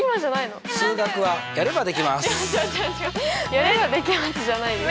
「やればできます！」じゃないよ。